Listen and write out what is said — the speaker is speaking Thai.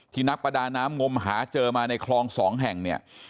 นักประดาน้ำงมหาเจอมาในคลองสองแห่งเนี่ย